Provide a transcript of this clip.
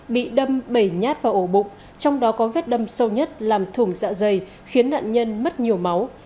bị đâm bẩy nhát vào ổ bụng trong đó có vết đâm sâu nhất làm thủng dạ dày khiến nạn nhân mất nhiều máu